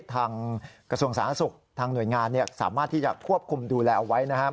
กระทรวงสาธารณสุขทางหน่วยงานสามารถที่จะควบคุมดูแลเอาไว้นะครับ